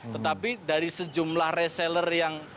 tetapi dari sejumlah reseller yang